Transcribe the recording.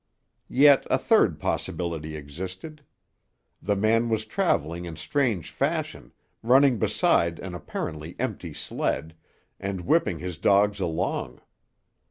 Yet a third possibility existed. The man was travelling in strange fashion, running beside an apparently empty sled, and whipping his dogs along.